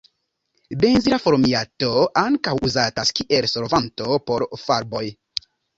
Benzila formiato ankaŭ uzatas kiel solvanto por farboj.